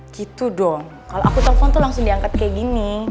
gitu dong kalau aku telpon tuh langsung diangkat kayak gini